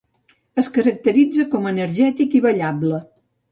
Es caracteritza com energètic i ballable.